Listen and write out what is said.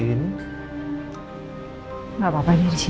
tak kenapa tak kepanceh